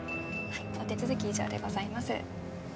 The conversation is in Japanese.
はいお手続き以上でございます